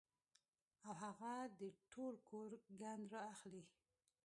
او هغه د ټول کور ګند را اخلي